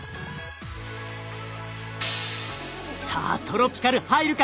さあトロピカル入るか？